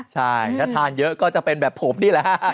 ใช่ถ้าทานเยอะก็จะเป็นแบบผมนี่แหละฮะ